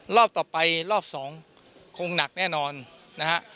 รอบต่อไปรอบสองคงหนักแน่นอนนะฮะ